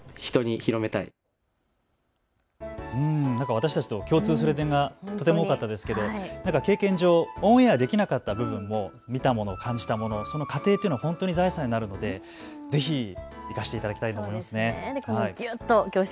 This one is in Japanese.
私たちと共通する点がとても多かったんですけどなんか経験上、応援できなかった部分も見たもの、感じたもの、その過程というのは本当に財産になるのでぜひ生かしていただきたいと思います。